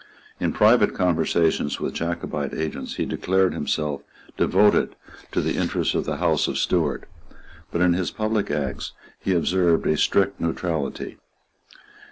In private conversations with Jacobite agents he declared himself devoted to the interests of the House of Stuart; but in his public acts he observed a strict neutrality.